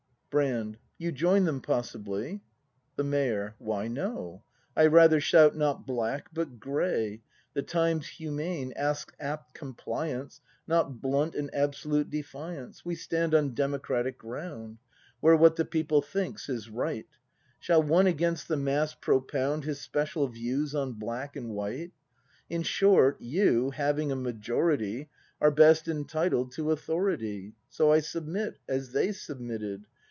Brand. You join them, possibly ? The Mayor. Why, no — I rather shout, not black, but gray. The time's humane; asks apt compliance. Not blunt and absolute defiance. We stand on democratic ground, Where what the people thinks is right; Shall one against the mass propound His special views on black and white? In short, you, having a majority. Are best entitled to authority. So I submit, as they submitted.